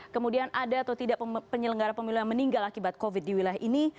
kemudian ada atau tidak penyelenggara pemilu yang meninggal akibat covid di wilayah ini